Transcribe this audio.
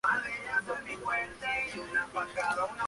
Luego fue dado de baja deshonrosa cuando era teniente.